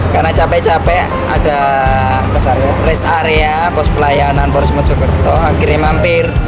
karena capek capek ada rest area pos pelayanan poros mojokerto akhirnya mampir